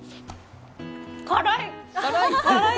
辛い！